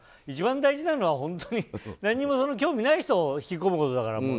一番大事なのは本当に何も興味ない人を引き込むことだから。